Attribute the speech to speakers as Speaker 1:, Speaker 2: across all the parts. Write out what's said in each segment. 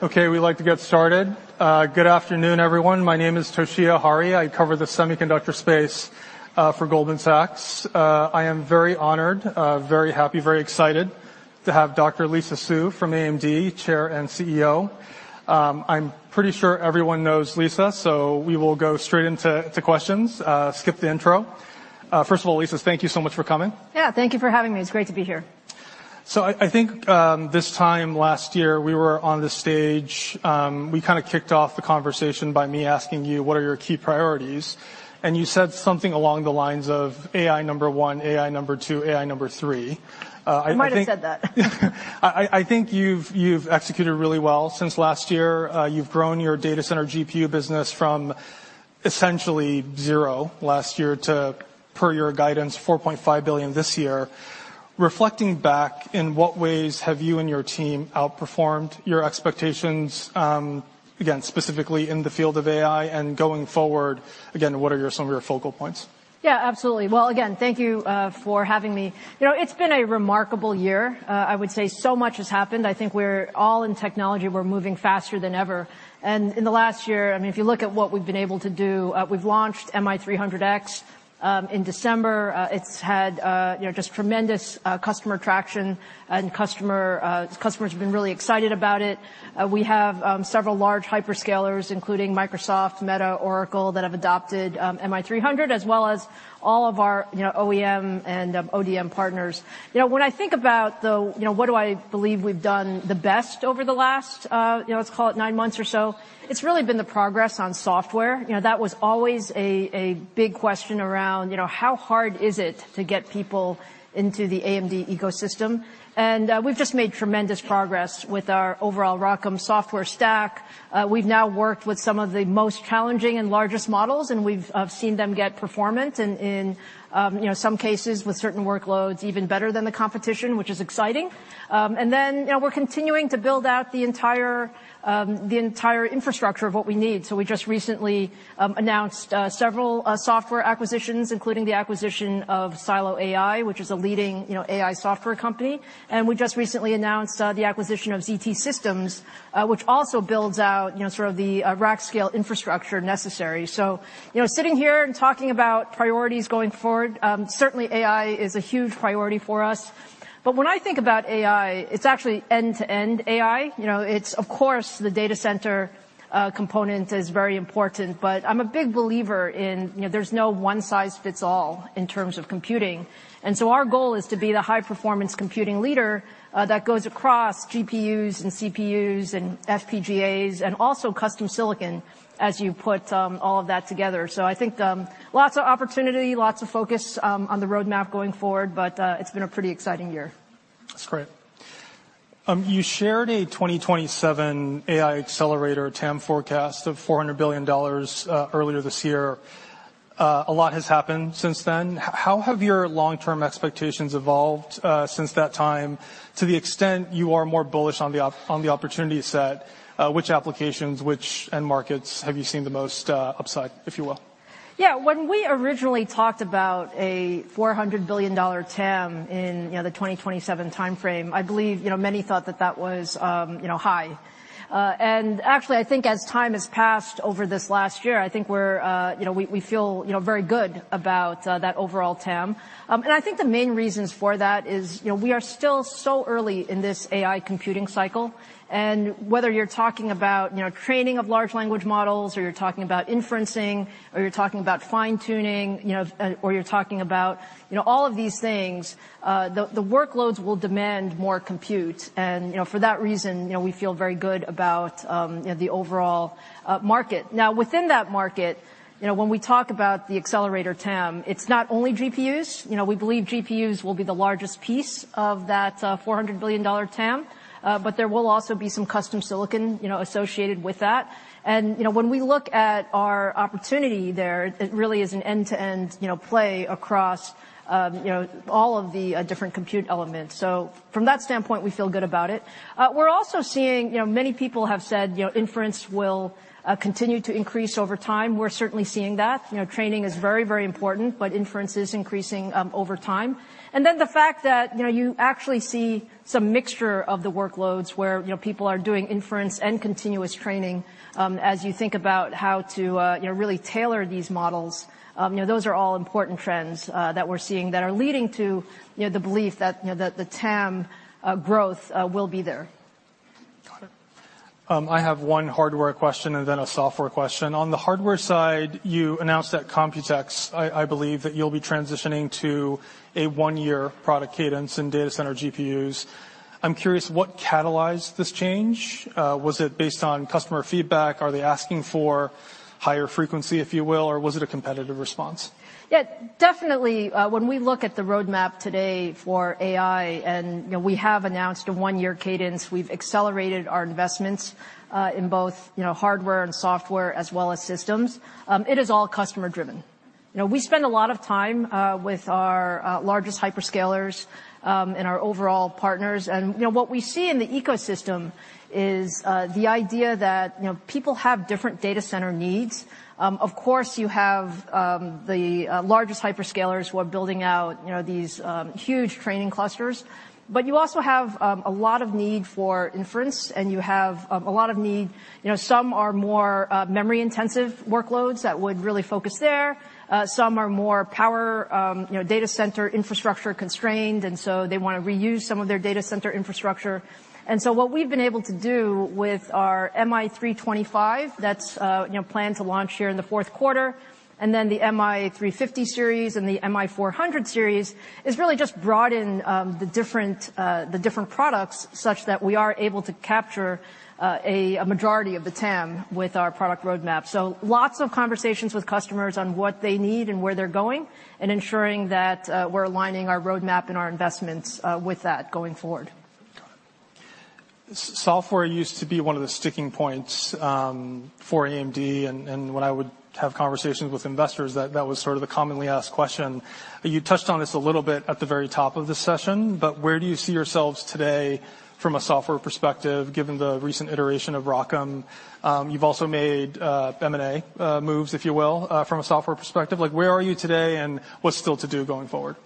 Speaker 1: Okay, we'd like to get started. Good afternoon, everyone. My name is Toshiya Hari. I cover the semiconductor space for Goldman Sachs. I am very honored, very happy, very excited to have Dr. Lisa Su from AMD, Chair and CEO. I'm pretty sure everyone knows Lisa, so we will go straight into questions, skip the intro. First of all, Lisa, thank you so much for coming.
Speaker 2: Yeah, thank you for having me. It's great to be here.
Speaker 1: So I think this time last year, we were on this stage. We kinda kicked off the conversation by me asking you what are your key priorities, and you said something along the lines of AI number one, AI number two, AI number three. I think-
Speaker 2: I might have said that.
Speaker 1: I think you've executed really well since last year. You've grown your data center GPU business from essentially zero last year to, per your guidance, $4.5 billion this year. Reflecting back, in what ways have you and your team outperformed your expectations, again, specifically in the field of AI, and going forward, again, what are some of your focal points?
Speaker 2: Yeah, absolutely. Well, again, thank you for having me. You know, it's been a remarkable year. I would say so much has happened. I think we're all in technology, we're moving faster than ever, and in the last year, I mean, if you look at what we've been able to do, we've launched MI300X in December. It's had, you know, just tremendous customer traction and customers have been really excited about it. We have several large hyperscalers, including Microsoft, Meta, Oracle, that have adopted MI300, as well as all of our, you know, OEM and ODM partners. You know, when I think about, though, you know, what do I believe we've done the best over the last, you know, let's call it nine months or so, it's really been the progress on software. You know, that was always a big question around, you know, how hard is it to get people into the AMD ecosystem? And we've just made tremendous progress with our overall ROCm software stack. We've now worked with some of the most challenging and largest models, and we've seen them get performance in you know, some cases with certain workloads, even better than the competition, which is exciting. And then, you know, we're continuing to build out the entire infrastructure of what we need. So we just recently announced several software acquisitions, including the acquisition of Silo AI, which is a leading, you know, AI software company. And we just recently announced the acquisition of ZT Systems, which also builds out, you know, sort of the rack-scale infrastructure necessary. So, you know, sitting here and talking about priorities going forward, certainly AI is a huge priority for us. But when I think about AI, it's actually end-to-end AI. You know, it's... Of course, the data center component is very important, but I'm a big believer in, you know, there's no one size fits all in terms of computing. And so our goal is to be the high-performance computing leader that goes across GPUs and CPUs and FPGAs, and also custom silicon, as you put all of that together. So I think, lots of opportunity, lots of focus on the roadmap going forward, but it's been a pretty exciting year.
Speaker 1: That's great. You shared a 2027 AI accelerator TAM forecast of $400 billion earlier this year. A lot has happened since then. How have your long-term expectations evolved since that time? To the extent you are more bullish on the opportunity set, which applications, which end markets have you seen the most upside, if you will?
Speaker 2: Yeah. When we originally talked about a $400 billion TAM in, you know, the 2027 time frame, I believe, you know, many thought that that was, you know, high. And actually, I think as time has passed over this last year, I think we're, you know, we feel, you know, very good about that overall TAM. And I think the main reasons for that is, you know, we are still so early in this AI computing cycle, and whether you're talking about, you know, training of large language models, or you're talking about inferencing, or you're talking about fine-tuning, you know, or you're talking about, you know, all of these things, the workloads will demand more compute, and, you know, for that reason, you know, we feel very good about, you know, the overall market. Now, within that market, you know, when we talk about the accelerator TAM, it's not only GPUs. You know, we believe GPUs will be the largest piece of that $400 billion dollar TAM, but there will also be some custom silicon, you know, associated with that, and you know, when we look at our opportunity there, it really is an end-to-end, you know, play across, you know, all of the different compute elements, so from that standpoint, we feel good about it. We're also seeing... You know, many people have said, you know, inference will continue to increase over time. We're certainly seeing that. You know, training is very, very important, but inference is increasing over time. And then the fact that, you know, you actually see some mixture of the workloads where, you know, people are doing inference and continuous training, as you think about how to, you know, really tailor these models. You know, those are all important trends that we're seeing that are leading to, you know, the belief that, you know, that the TAM growth will be there.
Speaker 1: Got it. I have one hardware question and then a software question. On the hardware side, you announced at Computex, I believe, that you'll be transitioning to a one-year product cadence in data center GPUs. I'm curious, what catalyzed this change? Was it based on customer feedback? Are they asking for higher frequency, if you will, or was it a competitive response?
Speaker 2: Yeah, definitely, when we look at the roadmap today for AI, and, you know, we have announced a one-year cadence, we've accelerated our investments in both, you know, hardware and software, as well as systems. It is all customer-driven. You know, we spend a lot of time with our largest hyperscalers and our overall partners. And, you know, what we see in the ecosystem is the idea that, you know, people have different data center needs. Of course, you have the largest hyperscalers who are building out, you know, these huge training clusters, but you also have a lot of need for inference, and you have a lot of need. You know, some are more memory-intensive workloads that would really focus there. Some are more power-constrained, you know, data center infrastructure-constrained, and so they wanna reuse some of their data center infrastructure. And so what we've been able to do with our MI325, that's, you know, planned to launch here in the fourth quarter, and then the MI350 series and the MI400 series, is really just broaden the different products such that we are able to capture a majority of the TAM with our product roadmap. So lots of conversations with customers on what they need and where they're going, and ensuring that we're aligning our roadmap and our investments with that going forward.
Speaker 1: Got it. Software used to be one of the sticking points for AMD, and when I would have conversations with investors, that was sort of a commonly asked question. You touched on this a little bit at the very top of the session, but where do you see yourselves today from a software perspective, given the recent iteration of ROCm? You've also made M&A moves, if you will, from a software perspective. Like, where are you today, and what's still to do going forward?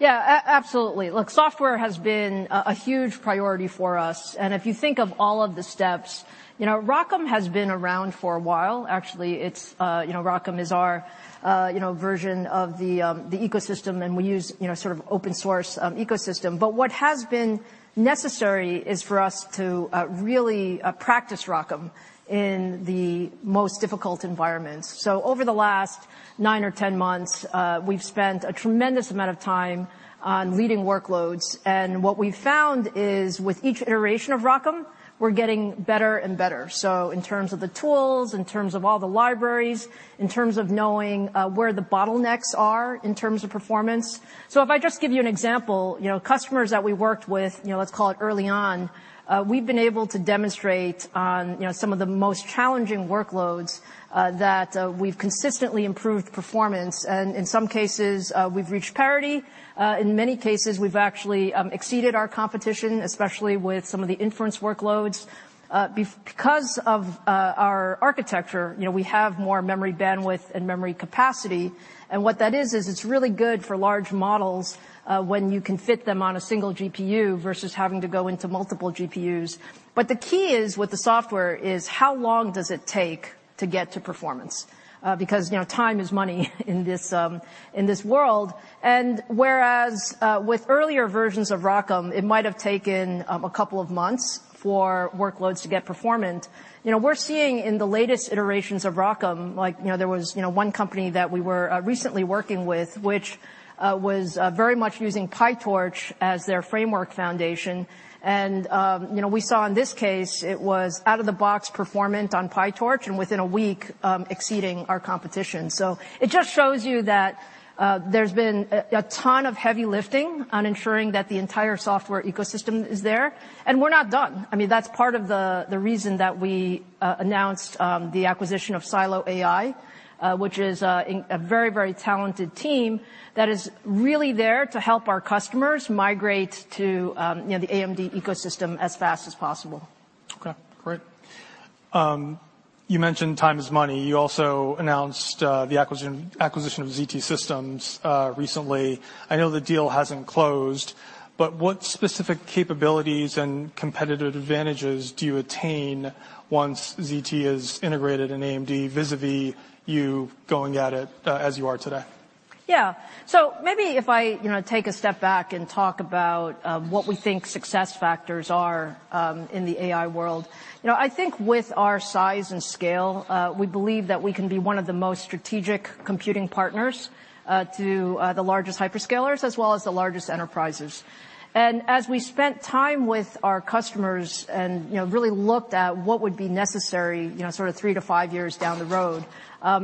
Speaker 2: Yeah, absolutely. Look, software has been a huge priority for us, and if you think of all of the steps. You know, ROCm has been around for a while. Actually, it's you know, ROCm is our you know, version of the ecosystem, and we use you know, sort of open source ecosystem. But what has been necessary is for us to really practice ROCm in the most difficult environments. So over the last nine or ten months, we've spent a tremendous amount of time on leading workloads, and what we've found is, with each iteration of ROCm, we're getting better and better. So in terms of the tools, in terms of all the libraries, in terms of knowing where the bottlenecks are, in terms of performance. So if I just give you an example, you know, customers that we worked with, you know, let's call it early on, we've been able to demonstrate on, you know, some of the most challenging workloads that we've consistently improved performance, and in some cases, we've reached parity. In many cases, we've actually exceeded our competition, especially with some of the inference workloads. Because of our architecture, you know, we have more memory bandwidth and memory capacity, and what that is, is it's really good for large models, when you can fit them on a single GPU versus having to go into multiple GPUs. But the key is, with the software, is how long does it take to get to performance? Because, you know, time is money in this, in this world. And whereas with earlier versions of ROCm, it might have taken a couple of months for workloads to get performant. You know, we're seeing in the latest iterations of ROCm, like, you know, there was, you know, one company that we were recently working with, which was very much using PyTorch as their framework foundation. And you know, we saw in this case, it was out-of-the-box performant on PyTorch, and within a week exceeding our competition. So it just shows you that there's been a ton of heavy lifting on ensuring that the entire software ecosystem is there, and we're not done. I mean, that's part of the reason that we announced the acquisition of Silo AI, which is a very, very talented team that is really there to help our customers migrate to, you know, the AMD ecosystem as fast as possible.
Speaker 1: Okay, great. You mentioned time is money. You also announced the acquisition of ZT Systems recently. I know the deal hasn't closed, but what specific capabilities and competitive advantages do you attain once ZT is integrated in AMD, vis-à-vis you going at it as you are today?
Speaker 2: Yeah, so maybe if I, you know, take a step back and talk about what we think success factors are in the AI world. You know, I think with our size and scale, we believe that we can be one of the most strategic computing partners to the largest hyperscalers, as well as the largest enterprises, and as we spent time with our customers and, you know, really looked at what would be necessary, you know, sort of three to five years down the road,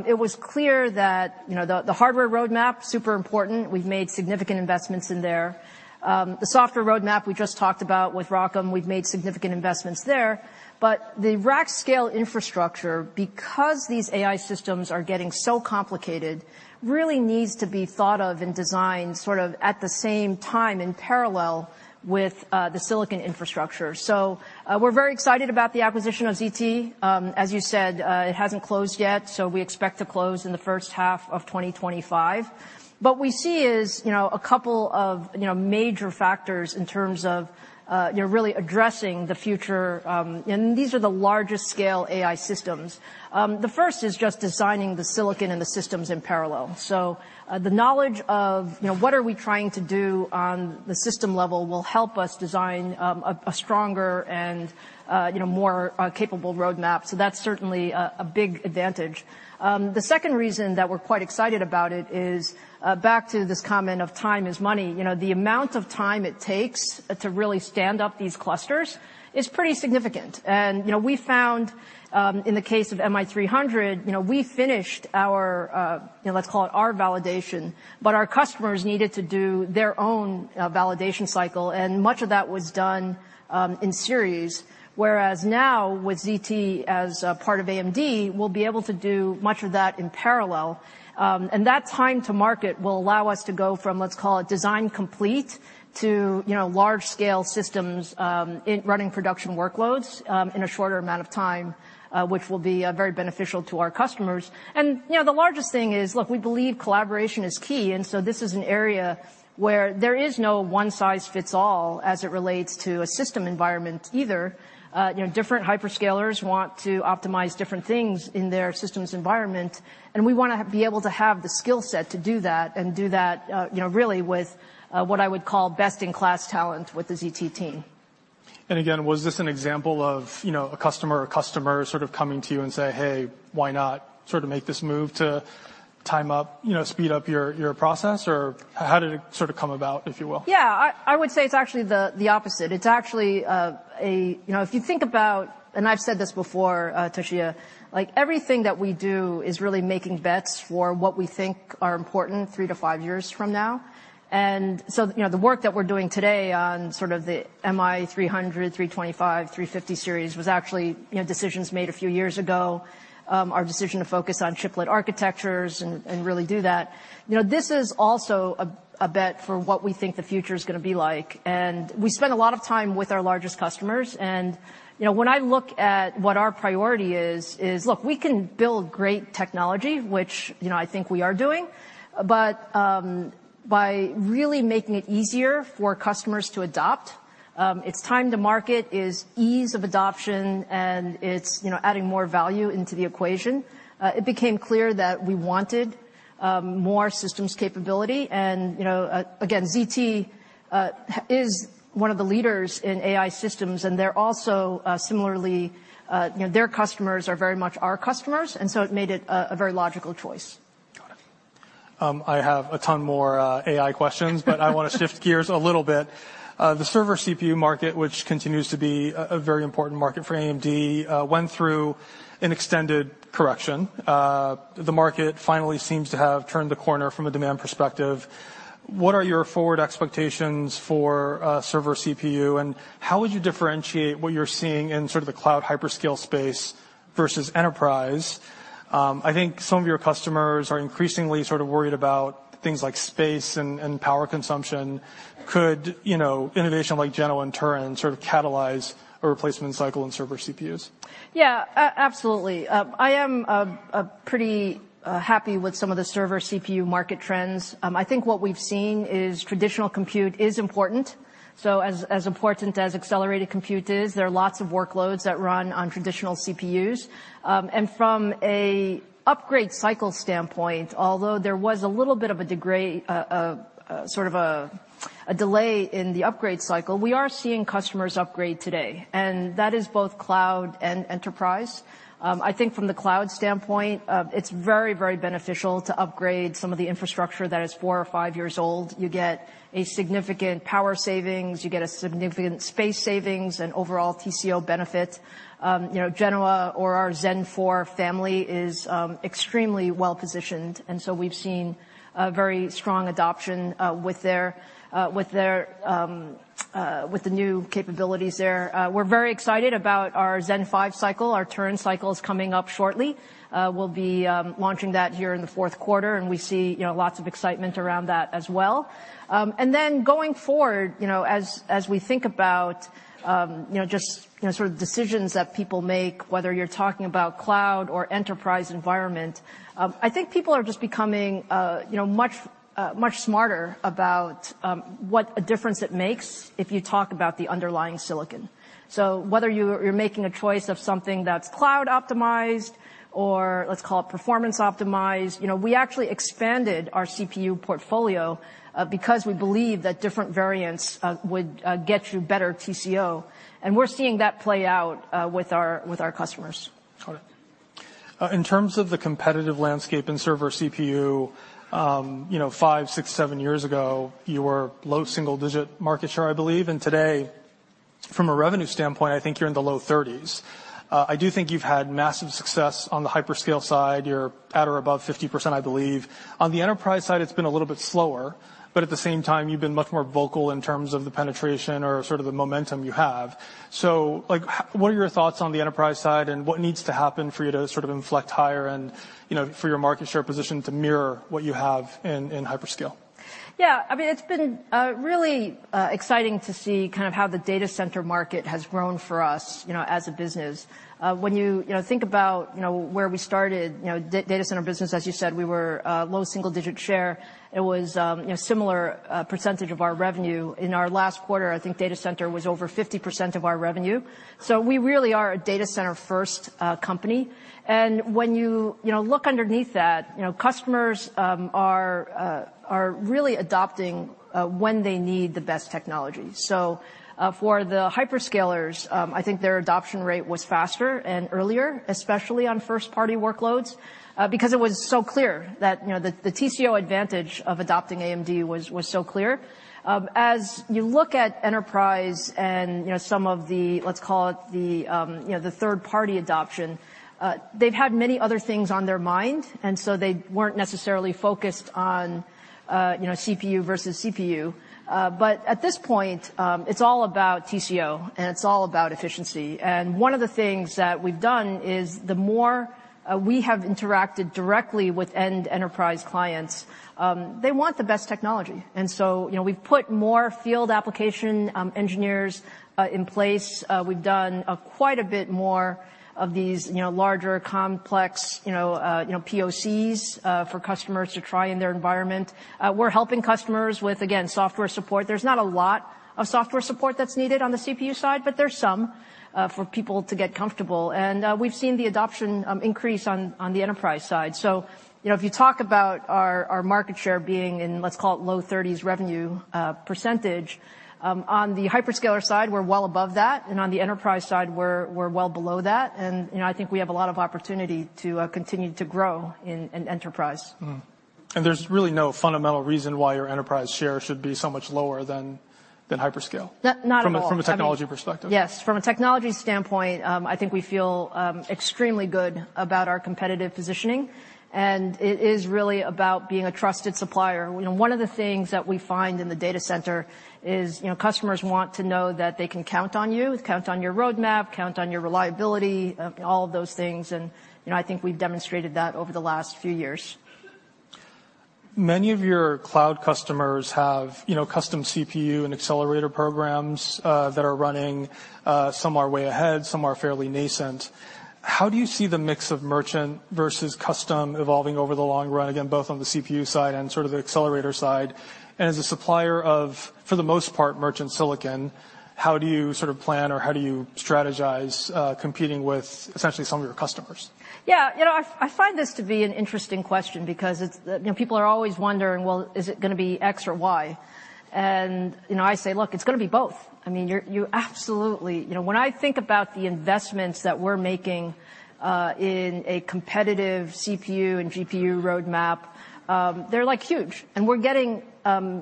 Speaker 2: it was clear that, you know, the hardware roadmap super important. We've made significant investments in there. The software roadmap, we just talked about with ROCm, we've made significant investments there. But the rack-scale infrastructure, because these AI systems are getting so complicated, really needs to be thought of and designed sort of at the same time, in parallel with the silicon infrastructure. So, we're very excited about the acquisition of ZT. As you said, it hasn't closed yet, so we expect to close in the first half of 2025. What we see is, you know, a couple of, you know, major factors in terms of, you know, really addressing the future, and these are the largest scale AI systems. The first is just designing the silicon and the systems in parallel. The knowledge of, you know, what are we trying to do on the system level will help us design a stronger and, you know, more capable roadmap. So that's certainly a big advantage. The second reason that we're quite excited about it is, back to this comment of time is money. You know, the amount of time it takes to really stand up these clusters is pretty significant, and you know, we found, in the case of MI300, you know, we finished our, you know, let's call it our validation, but our customers needed to do their own, validation cycle, and much of that was done, in series. Whereas now, with ZT as a part of AMD, we'll be able to do much of that in parallel, and that time to market will allow us to go from, let's call it, design complete to, you know, large-scale systems, in running production workloads, in a shorter amount of time, which will be, very beneficial to our customers. And, you know, the largest thing is, look, we believe collaboration is key, and so this is an area where there is no one size fits all as it relates to a system environment either. You know, different hyperscalers want to optimize different things in their systems environment, and we wanna be able to have the skill set to do that and do that, you know, really with what I would call best-in-class talent with the ZT team.
Speaker 1: Again, was this an example of, you know, a customer or customers sort of coming to you and saying: "Hey, why not sort of make this move to team up, you know, speed up your, your process?" Or how did it sort of come about, if you will?
Speaker 2: Yeah. I would say it's actually the opposite. It's actually... You know, if you think about, and I've said this before, Toshiya, like, everything that we do is really making bets for what we think are important three to five years from now. And so, you know, the work that we're doing today on sort of the MI300, MI325, MI350 series, was actually, you know, decisions made a few years ago, our decision to focus on chiplet architectures and really do that. You know, this is also a bet for what we think the future is gonna be like, and we spend a lot of time with our largest customers, and, you know, when I look at what our priority is, look, we can build great technology, which, you know, I think we are doing, but by really making it easier for customers to adopt, it's time to market, is ease of adoption, and it's, you know, adding more value into the equation. It became clear that we wanted more systems capability, and, you know, again, ZT is one of the leaders in AI systems, and they're also, similarly, you know, their customers are very much our customers, and so it made it a very logical choice.
Speaker 1: Got it. I have a ton more AI questions, but I wanna shift gears a little bit. The server CPU market, which continues to be a very important market for AMD, went through an extended correction. The market finally seems to have turned the corner from a demand perspective. What are your forward expectations for server CPU, and how would you differentiate what you're seeing in sort of the cloud hyperscale space versus enterprise? I think some of your customers are increasingly sort of worried about things like space and power consumption. Could, you know, innovation like Genoa and Turin sort of catalyze a replacement cycle in server CPUs?
Speaker 2: Yeah, absolutely. I am pretty happy with some of the server CPU market trends. I think what we've seen is traditional compute is important. So as important as accelerated compute is, there are lots of workloads that run on traditional CPUs. And from an upgrade cycle standpoint, although there was a little bit of a sort of a delay in the upgrade cycle, we are seeing customers upgrade today, and that is both cloud and enterprise. I think from the cloud standpoint, it's very, very beneficial to upgrade some of the infrastructure that is four or five years old. You get a significant power savings, you get a significant space savings and overall TCO benefit. You know, Genoa or our Zen 4 family is extremely well positioned, and so we've seen a very strong adoption with the new capabilities there. We're very excited about our Zen 5 cycle. Our Turin cycle is coming up shortly. We'll be launching that here in the fourth quarter, and we see, you know, lots of excitement around that as well. And then, going forward, you know, as we think about, you know, just, you know, sort of decisions that people make, whether you're talking about cloud or enterprise environment, I think people are just becoming, you know, much smarter about what a difference it makes if you talk about the underlying silicon. So whether you're making a choice of something that's cloud-optimized, or let's call it performance-optimized, you know, we actually expanded our CPU portfolio, because we believe that different variants would get you better TCO, and we're seeing that play out with our customers.
Speaker 1: Got it. In terms of the competitive landscape in server CPU, you know, five, six, seven years ago, you were low single digit market share, I believe, and today, from a revenue standpoint, I think you're in the low thirties. I do think you've had massive success on the hyperscale side. You're at or above 50%, I believe. On the enterprise side, it's been a little bit slower, but at the same time, you've been much more vocal in terms of the penetration or sort of the momentum you have. So, like, what are your thoughts on the enterprise side, and what needs to happen for you to sort of inflect higher and, you know, for your market share position to mirror what you have in hyperscale?
Speaker 2: Yeah, I mean, it's been really exciting to see kind of how the data center market has grown for us, you know, as a business. When you, you know, think about, you know, where we started, you know, data center business, as you said, we were low single digit share. It was, you know, similar percentage of our revenue. In our last quarter, I think data center was over 50% of our revenue. So we really are a data center first company. And when you, you know, look underneath that, you know, customers are really adopting when they need the best technology. So, for the hyperscalers, I think their adoption rate was faster and earlier, especially on first-party workloads, because it was so clear that, you know, the TCO advantage of adopting AMD was so clear. As you look at enterprise and, you know, some of the, let's call it the third-party adoption, they've had many other things on their mind, and so they weren't necessarily focused on, you know, CPU versus CPU, but at this point, it's all about TCO, and it's all about efficiency, and one of the things that we've done is, the more we have interacted directly with end enterprise clients, they want the best technology, and so, you know, we've put more field application engineers in place. We've done quite a bit more of these, you know, larger, complex, you know, POCs for customers to try in their environment. We're helping customers with, again, software support. There's not a lot of software support that's needed on the CPU side, but there's some for people to get comfortable, and we've seen the adoption increase on the enterprise side, so you know, if you talk about our market share being in, let's call it, low thirties revenue percentage on the hyperscaler side, we're well above that, and on the enterprise side, we're well below that, and you know, I think we have a lot of opportunity to continue to grow in enterprise.
Speaker 1: Mm-hmm. And there's really no fundamental reason why your enterprise share should be so much lower than hyperscale?
Speaker 2: Not, not at all.
Speaker 1: From a technology perspective.
Speaker 2: Yes. From a technology standpoint, I think we feel extremely good about our competitive positioning, and it is really about being a trusted supplier. You know, one of the things that we find in the data center is, you know, customers want to know that they can count on you, count on your roadmap, count on your reliability, all of those things, and, you know, I think we've demonstrated that over the last few years.
Speaker 1: Many of your cloud customers have, you know, custom CPU and accelerator programs that are running. Some are way ahead, some are fairly nascent. How do you see the mix of merchant versus custom evolving over the long run, again, both on the CPU side and sort of the accelerator side? And as a supplier of, for the most part, merchant silicon, how do you sort of plan or how do you strategize competing with essentially some of your customers?
Speaker 2: Yeah. You know, I find this to be an interesting question because it's... You know, people are always wondering, well, is it gonna be X or Y? And, you know, I say, "Look, it's gonna be both." I mean, you absolutely... You know, when I think about the investments that we're making, in a competitive CPU and GPU roadmap, they're, like, huge, and we're getting,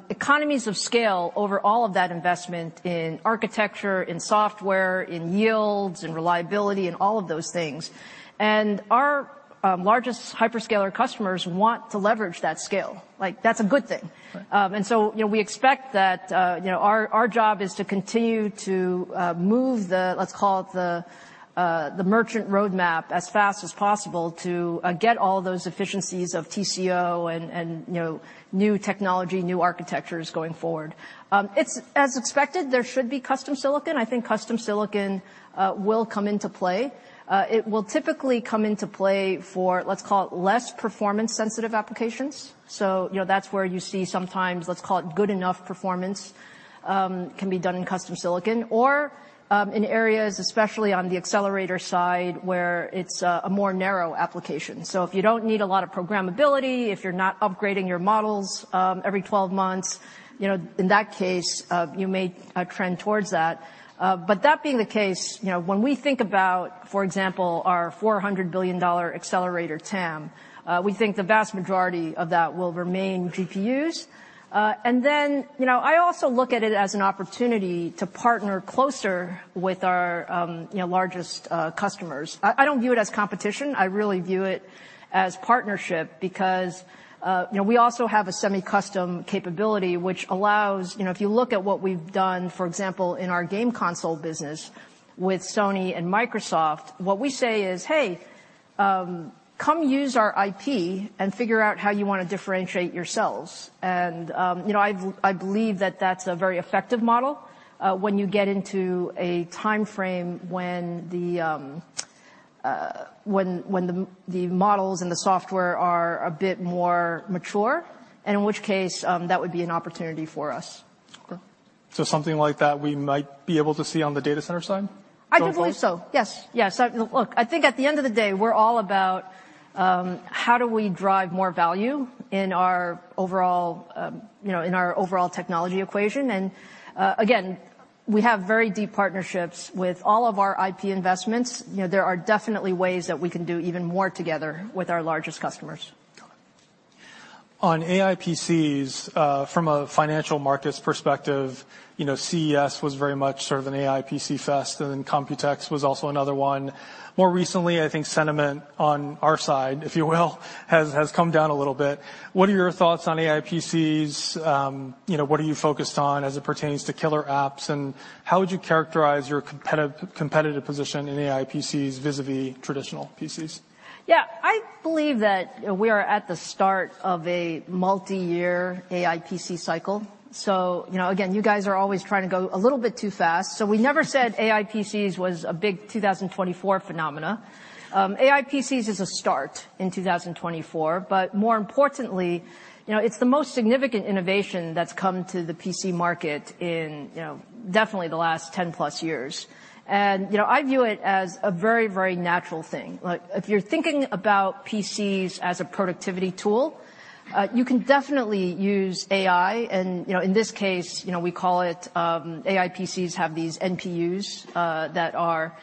Speaker 2: economies of scale over all of that investment in architecture, in software, in yields, in reliability, in all of those things. And our, largest hyperscaler customers want to leverage that scale. Like, that's a good thing.
Speaker 1: Right.
Speaker 2: And so, you know, we expect that. You know, our job is to continue to move the, let's call it the merchant roadmap as fast as possible to get all those efficiencies of TCO and, you know, new technology, new architectures going forward. It's as expected, there should be custom silicon. I think custom silicon will come into play. It will typically come into play for, let's call it, less performance-sensitive applications. So, you know, that's where you see sometimes, let's call it, good enough performance can be done in custom silicon or in areas, especially on the accelerator side, where it's a more narrow application. So if you don't need a lot of programmability, if you're not upgrading your models every 12 months, you know, in that case, you make a trend towards that. But that being the case, you know, when we think about, for example, our $400 billion accelerator TAM, we think the vast majority of that will remain GPUs. And then, you know, I also look at it as an opportunity to partner closer with our, you know, largest customers. I don't view it as competition. I really view it as partnership because, you know, we also have a semi-custom capability, which allows... You know, if you look at what we've done, for example, in our game console business with Sony and Microsoft, what we say is, "Hey, come use our IP and figure out how you wanna differentiate yourselves." And you know, I believe that that's a very effective model when you get into a timeframe when the models and the software are a bit more mature, and in which case, that would be an opportunity for us.
Speaker 1: Okay. So something like that we might be able to see on the data center side going forward?
Speaker 2: I do believe so. Yes, yes. Look, I think at the end of the day, we're all about how do we drive more value in our overall, you know, in our overall technology equation, and again, we have very deep partnerships with all of our IP investments. You know, there are definitely ways that we can do even more together with our largest customers.
Speaker 1: Got it. On AI PCs, from a financial markets perspective, you know, CES was very much sort of an AI PC fest, and then Computex was also another one. More recently, I think sentiment on our side, if you will, has come down a little bit. What are your thoughts on AI PCs? You know, what are you focused on as it pertains to killer apps, and how would you characterize your competitive position in AI PCs vis-a-vis traditional PCs?
Speaker 2: Yeah, I believe that, you know, we are at the start of a multi-year AI PC cycle. So, you know, again, you guys are always trying to go a little bit too fast. So we never said AI PCs was a big 2024 phenomenon. AI PCs is a start in 2024, but more importantly, you know, it's the most significant innovation that's come to the PC market in, you know, definitely the last ten-plus years. And, you know, I view it as a very, very natural thing. Like, if you're thinking about PCs as a productivity tool, you can definitely use AI. And, you know, in this case, you know, we call it, AI PCs have these NPUs that are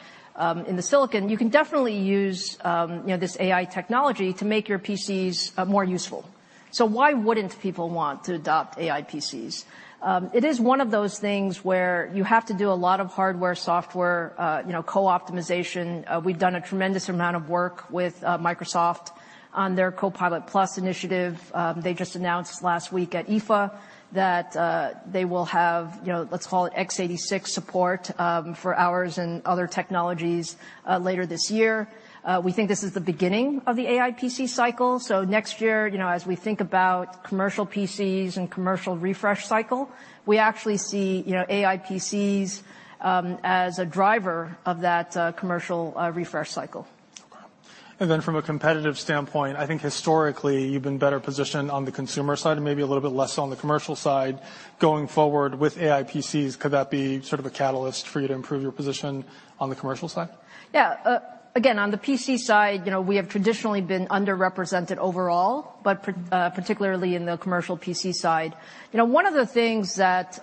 Speaker 2: in the silicon. You can definitely use, you know, this AI technology to make your PCs more useful... So why wouldn't people want to adopt AI PCs? It is one of those things where you have to do a lot of hardware, software, you know, co-optimization. We've done a tremendous amount of work with Microsoft on their Copilot+ initiative. They just announced last week at IFA that they will have, you know, let's call it x86 support, for ours and other technologies, later this year. We think this is the beginning of the AI PC cycle. So next year, you know, as we think about commercial PCs and commercial refresh cycle, we actually see, you know, AI PCs, as a driver of that, commercial, refresh cycle.
Speaker 1: And then from a competitive standpoint, I think historically, you've been better positioned on the consumer side and maybe a little bit less on the commercial side. Going forward with AI PCs, could that be sort of a catalyst for you to improve your position on the commercial side?
Speaker 2: Yeah. Again, on the PC side, you know, we have traditionally been underrepresented overall, but particularly in the commercial PC side. You know, one of the things that,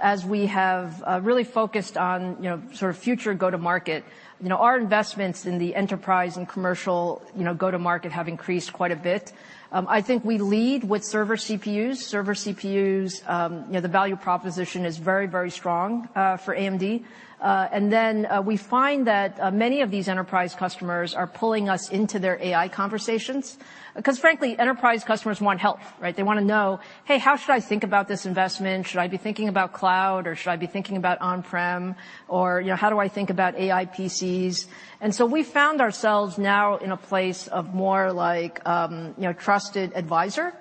Speaker 2: as we have, really focused on, you know, sort of future go-to-market, you know, our investments in the enterprise and commercial, you know, go-to-market have increased quite a bit. I think we lead with server CPUs. Server CPUs, you know, the value proposition is very, very strong, for AMD. And then, we find that, many of these enterprise customers are pulling us into their AI conversations. 'Cause frankly, enterprise customers want help, right? They wanna know, "Hey, how should I think about this investment? Should I be thinking about cloud, or should I be thinking about on-prem? Or, you know, how do I think about AI PCs?" And so we found ourselves now in a place of more like, you know, trusted advisor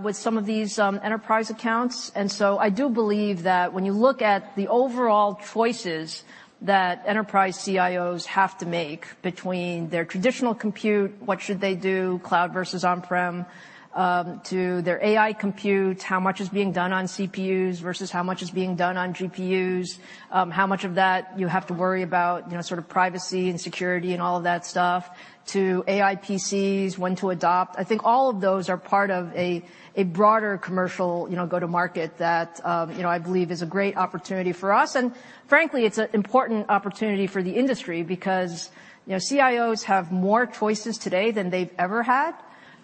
Speaker 2: with some of these enterprise accounts. And so I do believe that when you look at the overall choices that enterprise CIOs have to make between their traditional compute, what should they do, cloud versus on-prem, to their AI compute, how much is being done on CPUs versus how much is being done on GPUs, how much of that you have to worry about, you know, sort of privacy and security and all of that stuff, to AI PCs, when to adopt, I think all of those are part of a broader commercial, you know, go-to-market that, you know, I believe is a great opportunity for us. Frankly, it's an important opportunity for the industry because, you know, CIOs have more choices today than they've ever had.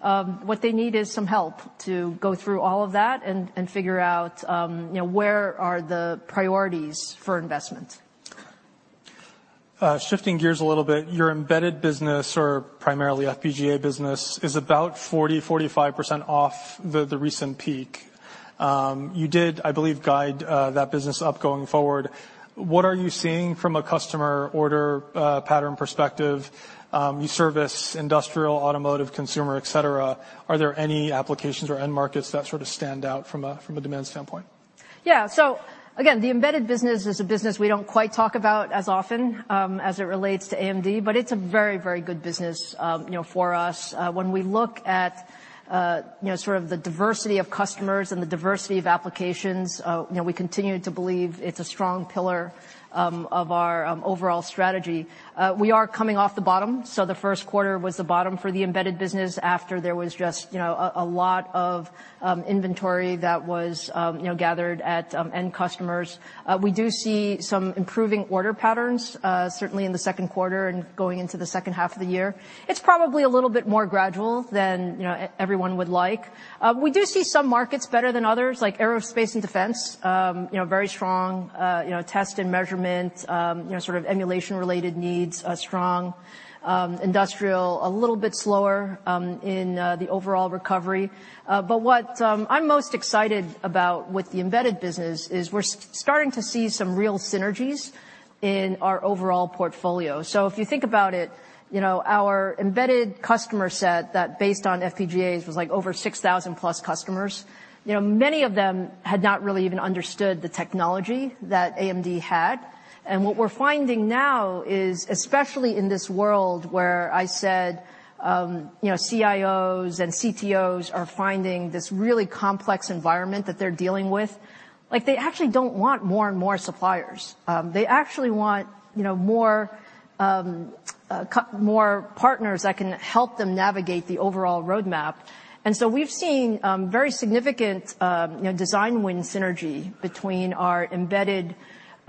Speaker 2: What they need is some help to go through all of that and figure out, you know, where are the priorities for investment.
Speaker 1: Shifting gears a little bit, your embedded business or primarily FPGA business is about 40%-45% off the recent peak. You did, I believe, guide that business up going forward. What are you seeing from a customer order pattern perspective? You service industrial, automotive, consumer, et cetera. Are there any applications or end markets that sort of stand out from a demand standpoint?
Speaker 2: Yeah. So again, the embedded business is a business we don't quite talk about as often as it relates to AMD, but it's a very, very good business, you know, for us. When we look at, you know, sort of the diversity of customers and the diversity of applications, you know, we continue to believe it's a strong pillar of our overall strategy. We are coming off the bottom, so the first quarter was the bottom for the embedded business after there was just, you know, a lot of inventory that was, you know, gathered at end customers. We do see some improving order patterns, certainly in the second quarter and going into the second half of the year. It's probably a little bit more gradual than, you know, everyone would like. We do see some markets better than others, like aerospace and defense, you know, very strong, you know, test and measurement, you know, sort of emulation-related needs, strong. Industrial, a little bit slower, in the overall recovery. But what I'm most excited about with the embedded business is we're starting to see some real synergies in our overall portfolio. So if you think about it, you know, our embedded customer set that, based on FPGAs, was, like, over 6,000-plus customers. You know, many of them had not really even understood the technology that AMD had. And what we're finding now is, especially in this world where I said, you know, CIOs and CTOs are finding this really complex environment that they're dealing with, like, they actually don't want more and more suppliers. They actually want, you know, more partners that can help them navigate the overall roadmap. And so we've seen very significant, you know, design win synergy between our embedded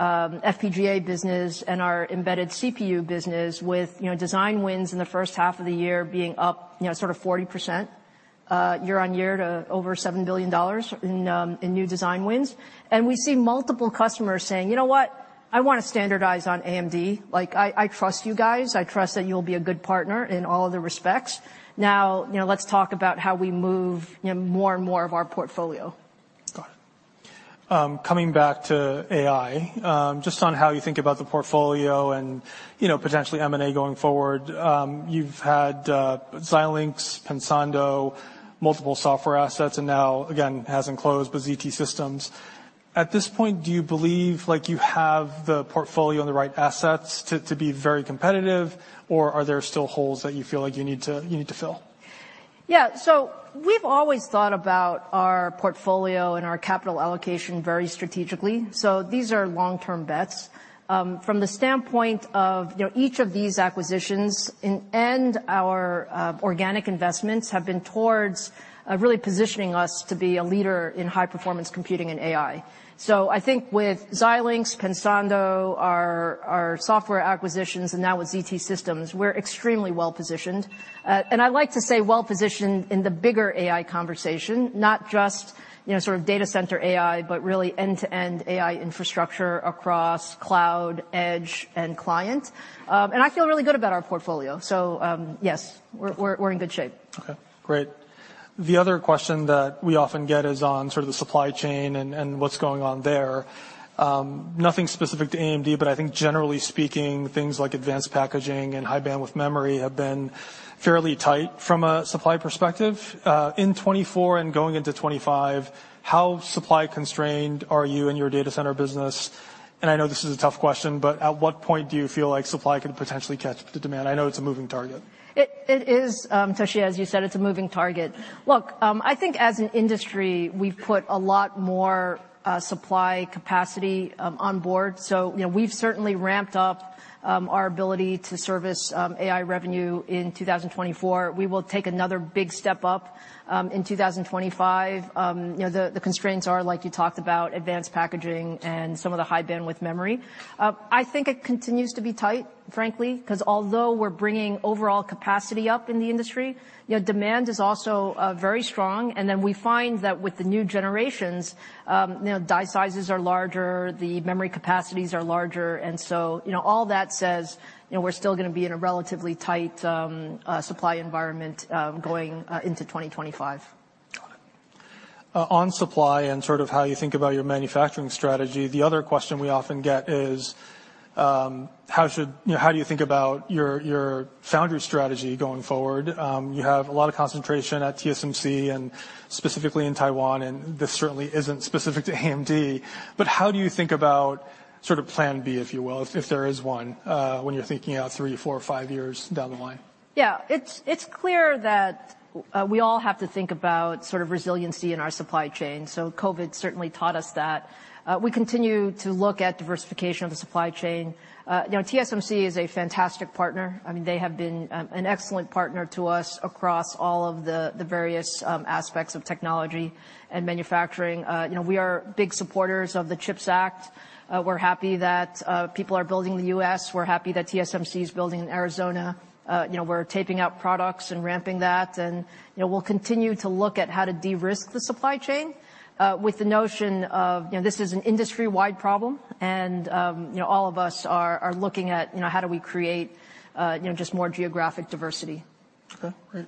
Speaker 2: FPGA business and our embedded CPU business, with, you know, design wins in the first half of the year being up, you know, sort of 40% year on year to over $7 billion in new design wins. And we see multiple customers saying, "You know what? I wanna standardize on AMD. Like, I trust you guys. I trust that you'll be a good partner in all other respects. Now, you know, let's talk about how we move, you know, more and more of our portfolio.
Speaker 1: Got it. Coming back to AI, just on how you think about the portfolio and, you know, potentially M&A going forward, you've had Xilinx, Pensando, multiple software assets, and now, again, it hasn't closed, but ZT Systems. At this point, do you believe, like, you have the portfolio and the right assets to be very competitive, or are there still holes that you feel like you need to fill?...
Speaker 2: Yeah, so we've always thought about our portfolio and our capital allocation very strategically, so these are long-term bets. From the standpoint of, you know, each of these acquisitions and our organic investments have been towards really positioning us to be a leader in high-performance computing and AI. So I think with Xilinx, Pensando, our software acquisitions, and now with ZT Systems, we're extremely well-positioned. And I like to say well-positioned in the bigger AI conversation, not just, you know, sort of data center AI, but really end-to-end AI infrastructure across cloud, edge, and client. And I feel really good about our portfolio. So, yes, we're in good shape.
Speaker 1: Okay, great. The other question that we often get is on sort of the supply chain and what's going on there. Nothing specific to AMD, but I think generally speaking, things like advanced packaging and high-bandwidth memory have been fairly tight from a supply perspective. In 2024 and going into 2025, how supply-constrained are you in your data center business? And I know this is a tough question, but at what point do you feel like supply can potentially catch up to demand? I know it's a moving target.
Speaker 2: It is, Toshi, as you said, it's a moving target. Look, I think as an industry, we've put a lot more supply capacity on board, so, you know, we've certainly ramped up our ability to service AI revenue in 2024. We will take another big step up in 2025. You know, the constraints are, like you talked about, advanced packaging and some of the high-bandwidth memory. I think it continues to be tight, frankly, 'cause although we're bringing overall capacity up in the industry, you know, demand is also very strong, and then we find that with the new generations, you know, die sizes are larger, the memory capacities are larger. And so, you know, all that says, you know, we're still gonna be in a relatively tight supply environment, going into 2025.
Speaker 1: Got it. On supply and sort of how you think about your manufacturing strategy, the other question we often get is: You know, how do you think about your foundry strategy going forward? You have a lot of concentration at TSMC and specifically in Taiwan, and this certainly isn't specific to AMD, but how do you think about sort of plan B, if you will, if there is one, when you're thinking out three, four, or five years down the line?
Speaker 2: Yeah. It's clear that we all have to think about sort of resiliency in our supply chain, so COVID certainly taught us that. We continue to look at diversification of the supply chain. You know, TSMC is a fantastic partner. I mean, they have been an excellent partner to us across all of the various aspects of technology and manufacturing. You know, we are big supporters of the CHIPS Act. We're happy that people are building in the U.S. We're happy that TSMC is building in Arizona. You know, we're taping out products and ramping that, and, you know, we'll continue to look at how to de-risk the supply chain, with the notion of, you know, this is an industry-wide problem, and, you know, all of us are looking at, you know, how do we create, you know, just more geographic diversity.
Speaker 1: Okay, great.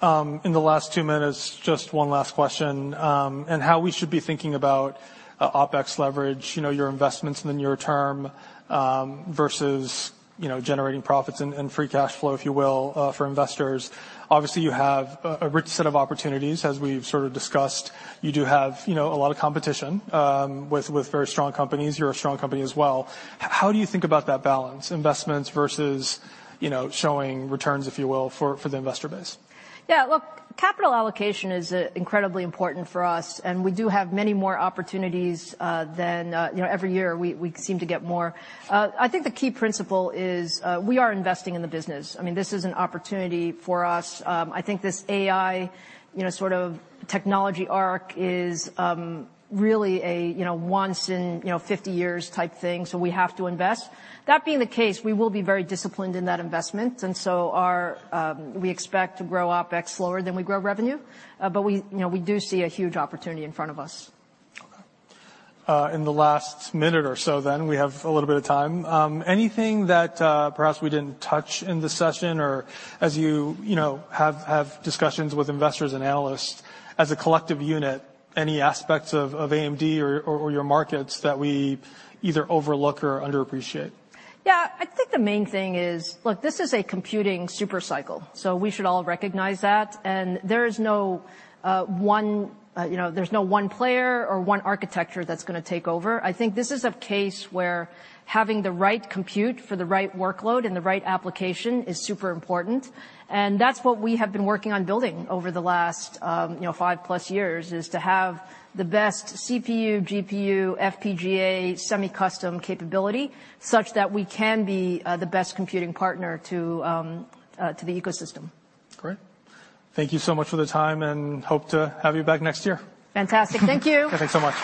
Speaker 1: In the last two minutes, just one last question, and how we should be thinking about OpEx leverage, you know, your investments in the near term, versus, you know, generating profits and free cash flow, if you will, for investors. Obviously, you have a rich set of opportunities. As we've sort of discussed, you do have, you know, a lot of competition with very strong companies. You're a strong company as well. How do you think about that balance, investments versus, you know, showing returns, if you will, for the investor base?
Speaker 2: Yeah, look, capital allocation is incredibly important for us, and we do have many more opportunities than... You know, every year, we seem to get more. I think the key principle is, we are investing in the business. I mean, this is an opportunity for us. I think this AI, you know, sort of technology arc is really a, you know, once in, you know, fifty years type thing, so we have to invest. That being the case, we will be very disciplined in that investment, and so our... We expect to grow OpEx slower than we grow revenue. But we, you know, we do see a huge opportunity in front of us.
Speaker 1: Okay. In the last minute or so then, we have a little bit of time, anything that perhaps we didn't touch in this session, or as you, you know, have discussions with investors and analysts, as a collective unit, any aspects of AMD or your markets that we either overlook or underappreciate?
Speaker 2: Yeah. I think the main thing is... Look, this is a computing super cycle, so we should all recognize that, and there is no one... You know, there's no one player or one architecture that's gonna take over. I think this is a case where having the right compute for the right workload and the right application is super important, and that's what we have been working on building over the last, you know, five-plus years, is to have the best CPU, GPU, FPGA, semi-custom capability, such that we can be the best computing partner to the ecosystem.
Speaker 1: Great. Thank you so much for the time, and hope to have you back next year.
Speaker 2: Fantastic. Thank you.
Speaker 1: Yeah, thanks so much.